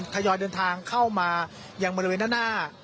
ทยอยเดินทางเข้ามายังบริเวณด้านหน้า